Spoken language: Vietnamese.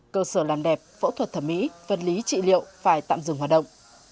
cơ sở làm đẹp phẫu thuật thẩm mỹ vật lý trị liệu phải tạm dừng hoạt động